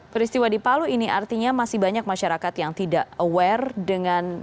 peristiwa di palu ini artinya masih banyak masyarakat yang tidak aware dengan